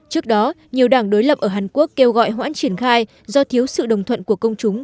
trước đó nhiều đảng đối lập ở hàn quốc kêu gọi hoãn triển khai do thiếu sự đồng thuận của công chúng